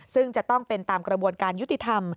ซึ่งจะต้องเป็นตามกระบวนการยุติธรรม